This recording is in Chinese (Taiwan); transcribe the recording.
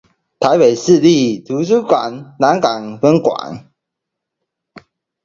臺北市立圖書館南港分館